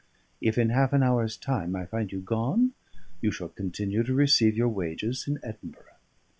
If in half an hour's time I find you gone, you shall continue to receive your wages in Edinburgh.